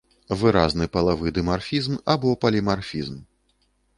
Выразны палавы дымарфізм або полімарфізм.